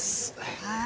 はい。